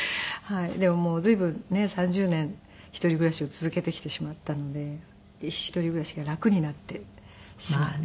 でももう随分ねっ３０年一人暮らしを続けてきてしまったので一人暮らしが楽になってしまって。